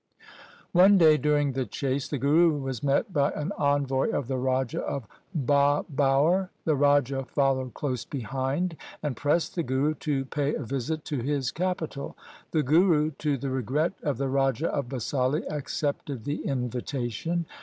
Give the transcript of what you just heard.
One day during the chase the Guru was met by an envoy of the Raja of Bhabaur. The raja followed close behind, and pressed the Guru to pay a visit to his capital. The Guru, to the regret of the Raja of Basali, accepted the invitation.